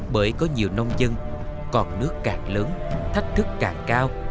bởi có nhiều nông dân còn nước càng lớn thách thức càng cao